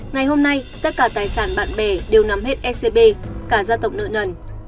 ngày hôm nay tất cả tài sản bạn bè đều nắm hết ecb cả gia tộc nợ nần